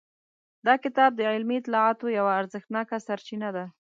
دا کتاب د علمي اطلاعاتو یوه ارزښتناکه سرچینه ده.